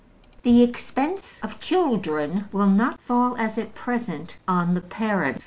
The expense of children will not fall, as at present, on the parents.